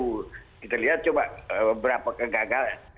kita lihat coba berapa kegagalan